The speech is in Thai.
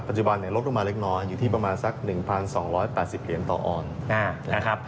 ปัจจุบันลดออกมาเล็กน้อยอยู่ที่ประมาณสัก๑๒๘๐เหรียญต่อออนเดอร์